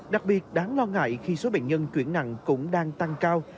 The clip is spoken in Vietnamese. đặc biệt đáng lo ngại khi số bệnh nhân chuyển nặng cũng đang tăng cao